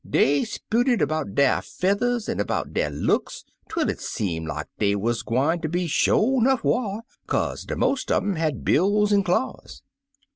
Dey 'sputed *bout der feathers an* *bout der looks twel it seem like dey wuz gwine ter be sho' 'nough war, kaze de most un um had bills an' claws.